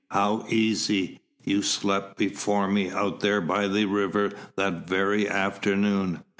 How easy! You slept before me, out there by the river that very afternoon.